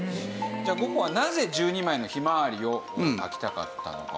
じゃあゴッホはなぜ１２枚の『ひまわり』を描きたかったのか？